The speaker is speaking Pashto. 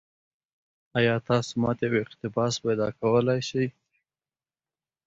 ایا تاسو ما ته یو اقتباس پیدا کولی شئ؟